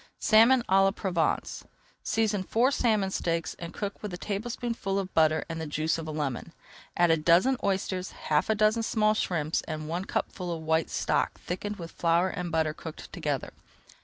SALMON À LA PROVENCE Season four salmon steaks and cook with a tablespoonful of butter and the juice of a lemon. Add a dozen oysters, half a dozen small shrimps, and one cupful of white stock thickened with flour and butter cooked together.